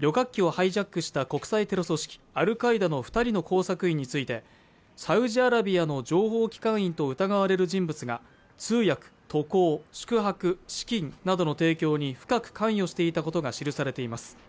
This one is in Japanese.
旅客機をハイジャックした国際テロ組織アルカイダの２人の工作員について、サウジアラビアの情報機関員と疑われる人物が通訳、渡航、宿泊、資金などの提供に深く関与していたことが記されています。